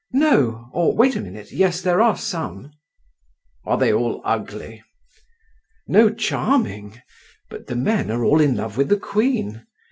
"No—or wait a minute—yes, there are some." "Are they all ugly?" "No, charming. But the men are all in love with the queen.